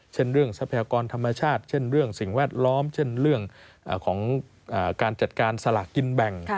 เช่นเรื่องทรัพยากรธรรมชาติเช่นเรื่องสิ่งแวดล้อมเช่นเรื่องของการจัดการสลากกินแบ่ง